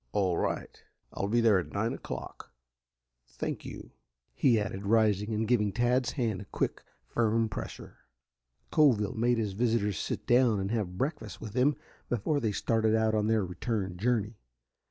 "All right. I'll be there at nine o'clock. Thank you," he added, rising and giving Tad's hand a quick, firm pressure. Coville made his visitors sit down and have breakfast with him before they started out on their return journey.